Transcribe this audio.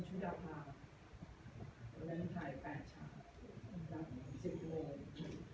กรมตัวแดงมันอยู่ที่กรมถ่ายกรมชุดภาพกรมถ่าย๘ชาตินั่ง๑๐โมง